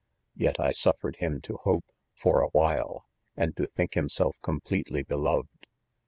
Yet, I suffered him to hope, fo," a. while, and to think himself completely belov ed.